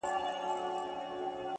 ولي مي هره شېبه، هر ساعت په غم نیسې،